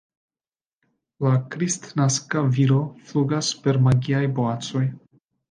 La kristnaska viro flugas per magiaj boacoj.